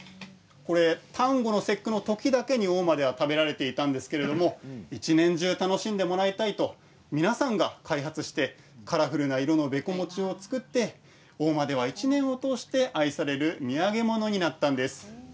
端午の節句のときだけに大間では食べられていたんですけれど一年中、楽しんでもらいたいと皆さんが開発してカラフルな色のべこもちを作って大間では１年を通して愛される土産物になったんです。